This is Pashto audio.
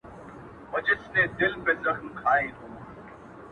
دلته دوه رنګي ده په دې ښار اعتبار مه کوه-